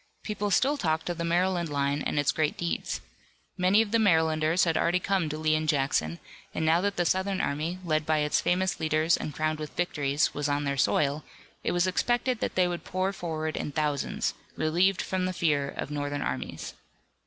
People still talked of the Maryland line and its great deeds. Many of the Marylanders had already come to Lee and Jackson, and now that the Southern army, led by its famous leaders and crowned with victories, was on their soil, it was expected that they would pour forward in thousands, relieved from the fear of Northern armies.